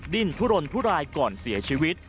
ดิ้นทุรนทุรายก่อนเสียชีวิต